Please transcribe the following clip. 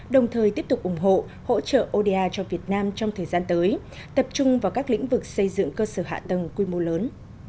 đồng thời tiếp tục ủng hộ hỗ trợ oda cho việt nam trong thời gian tới tập trung vào các lĩnh vực xây dựng cơ sở hạ tầng quy mô lớn